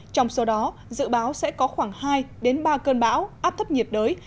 trong số đó dự báo sẽ có khoảng hai ba cơn bão áp thấp nhiệt đới